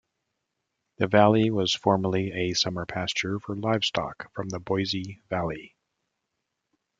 The valley was formerly a summer pasture for livestock from the Boise Valley.